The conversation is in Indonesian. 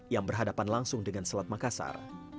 yang berhadapan langsung dengan selat makassar